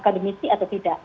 akademisi atau tidak